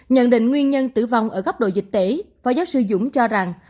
nhận định nguyên nhân tử vong ở góc độ dịch tễ phó giáo sư dũng cho rằng